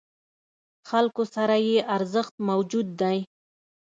خلکو سره یې ارزښت موجود دی.